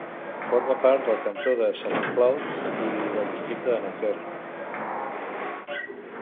Forma part del cantó de Saint-Cloud i del districte de Nanterre.